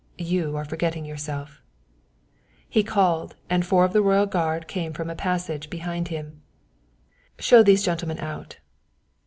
You are forgetting yourself." He called, and four of the royal guard came from a passage behind him. "Show these gentlemen out.